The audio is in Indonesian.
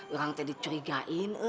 orang itu dicurigain